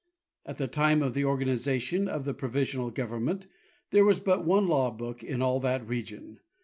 At the time of the organization of the provisional government there was but one law book in all that region.